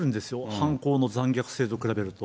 犯行の残虐性と比べると。